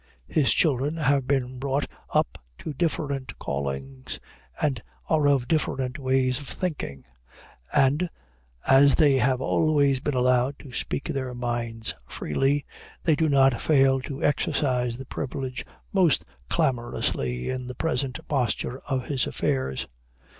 His children have been brought up to different callings, and are of different ways of thinking; and as they have always been allowed to speak their minds freely, they do not fail to exercise the privilege most clamorously in the present posture of his affairs.